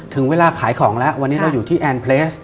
ถึงเวลาขายของแล้ววันนี้เราอยู่ที่แอนเพลส